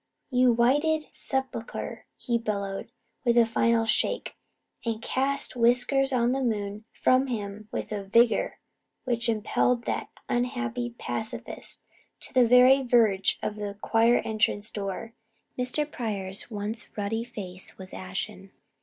"You whited sepulchre!" he bellowed, with a final shake, and cast Whiskers on the moon from him with a vigour which impelled that unhappy pacifist to the very verge of the choir entrance door. Mr. Pryor's once ruddy face was ashen.